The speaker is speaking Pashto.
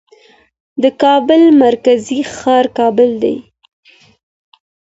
د کابل مرکزي ښار کابل دی.